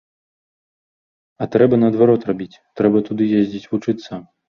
А трэба наадварот рабіць, трэба туды ездзіць вучыцца!